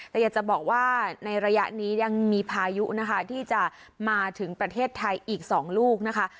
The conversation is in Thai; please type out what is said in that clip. แต่อยากจะบอกว่าในระยะนี้ยังมีพายุนะคะที่จะมาถึงประเทศไทยอีก๒ลูกนะคะ